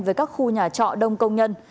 về các khu nhà trọ đông công nhân